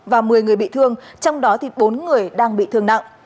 và một mươi người bị thương trong đó thì bốn người đang bị thương nặng